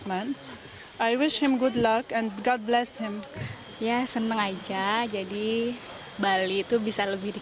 mereka mengejarnya di kaki kami dan semuanya